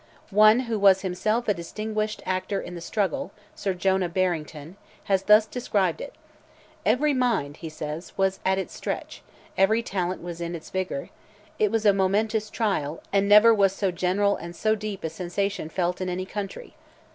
One who was himself a distinguished actor in the struggle, (Sir Jonah Barrington,) has thus described it: "Every mind," he says, "was at its stretch, every talent was in its vigour: it was a momentous trial; and never was so general and so deep a sensation felt in any country.